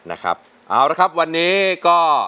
เอาละครับวันนี้ก็